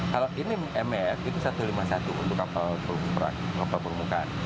kalau ini mf itu satu ratus lima puluh satu untuk kapal permukaan